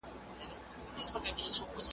که چېرې تاسو روغ یاست، نو له خدایه مننه وکړئ.